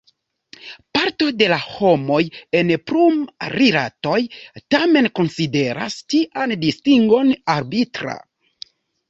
Parto de la homoj en pluram-rilatoj tamen konsideras tian distingon arbitra.